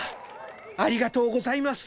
ありがとうございます。